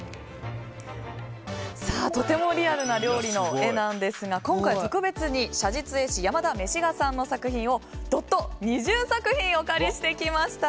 とてもリアルな料理の絵なんですが今回特別に写実絵師山田めしがさんの作品をどっと２０作品お借りしてきました。